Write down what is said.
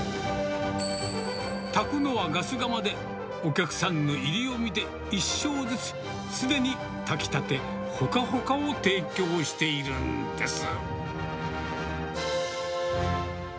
炊くのはガス釜で、お客さんの入りを見て、１升ずつ、常に炊きたて、ほかほかを提供しているんです。